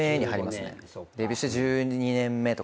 デビューして１２年目とかですね。